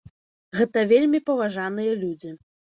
Гэта вельмі паважаныя людзі.